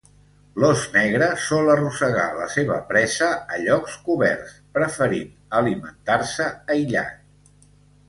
L'ós negre sol arrossegar la seva presa a llocs coberts, preferint alimentar-se aïllat.